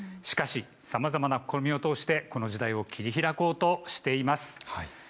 しかしさまざまな試みを通してこの時代を切り開こうとしています。